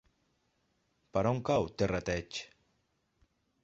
Per on cau Terrateig?